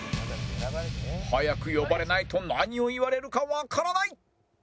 早く呼ばれないと何を言われるかわからない！